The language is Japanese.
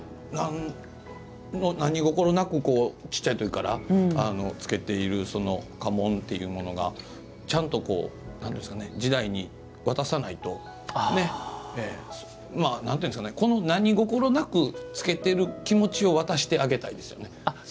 何心なく小さい時から付けている家紋というものがちゃんと、次代に渡さないとこの何心なくつけている気持ちを表したいですね。